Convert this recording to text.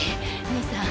兄さん。